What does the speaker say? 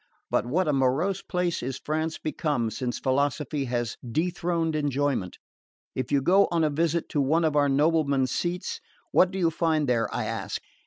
But what a morose place is France become since philosophy has dethroned enjoyment! If you go on a visit to one of our noblemen's seats, what do you find there, I ask?